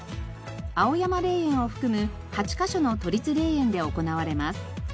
青山霊園を含む８カ所の都立霊園で行われます。